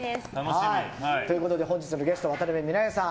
本日のゲスト、渡辺美奈代さん